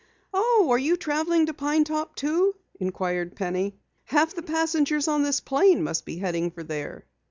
"Oh, are you traveling to Pine Top, too?" inquired Penny. "Half the passengers on this plane must be heading for there."